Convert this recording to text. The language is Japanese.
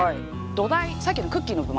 土台さっきのクッキーの部分ありますよね。